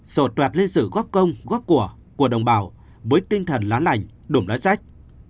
sổ toạt lên sự góp công góp của của đồng bào với tinh thần lá lành đủm lá sách